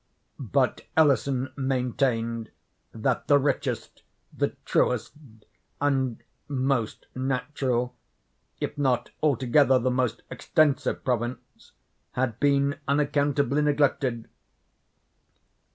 But Ellison maintained that the richest, the truest, and most natural, if not altogether the most extensive province, had been unaccountably neglected.